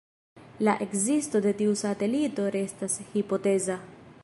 La ekzisto de tiu satelito restas hipoteza.